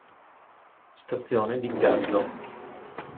Stazione di Gazzo